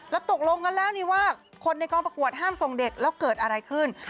แล้วตกลงกันแล้วนี่ว่าคนในกองประกวดห้ามส่งเด็กแล้วเกิดอะไรขึ้น